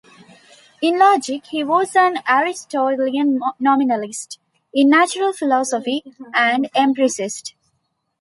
In logic, he was an Aristotelian nominalist; in natural philosophy, an empiricist.